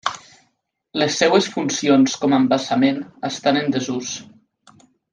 Les seues funcions com a embassament estan en desús.